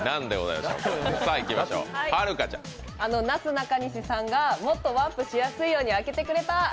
なすなかにしさんが、もっとワープしやすいように開けてくれた。